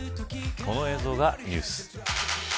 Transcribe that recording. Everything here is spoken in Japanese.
この映像がニュース。